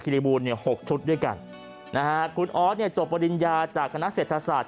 คิริบูรณ์หกชุดด้วยกันนะคุณออสเนี่ยจบบริญญาจากคณะเศรษฐศาสตร์